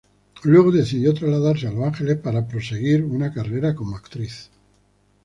Luego, decidió trasladarse a Los Ángeles para perseguir una carrera como actriz.